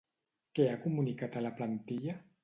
Què ha comunicat a la plantilla?